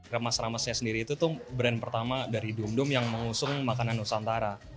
remas ramesnya sendiri itu brand pertama dari dung dung yang mengusung makanan nusantara